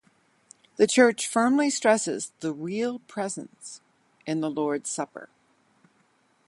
The church firmly stresses the real presence in the Lord's Supper.